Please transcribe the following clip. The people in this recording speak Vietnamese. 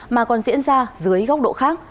mà còn diễn ra dưới góc độ khác